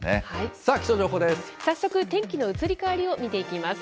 さあ、早速、天気の移り変わりを見ていきます。